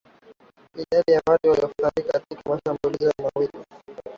idadi ya watu waliofariki katika mashambulizi mawili